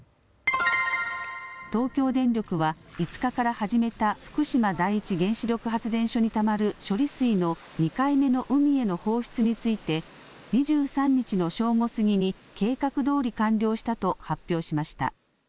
東京電力は５日から始めた福島第一原子力発電所にたまる処理水の２回目の海への放出について２３日の正午過ぎに計画どおり完了したと発表しました。